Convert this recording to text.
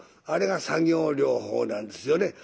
あれが作業療法なんですよね。